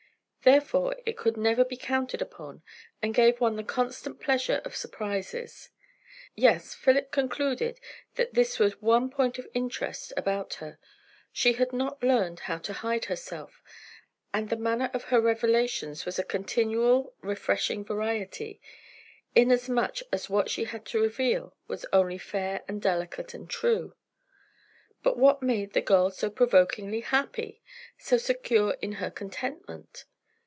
Therefore it could never be counted upon, and gave one the constant pleasure of surprises. Yes, Philip concluded that this was one point of interest about her. She had not learned how to hide herself, and the manner of her revelations was a continual refreshing variety, inasmuch as what she had to reveal was only fair and delicate and true. But what made the girl so provokingly happy? so secure in her contentment?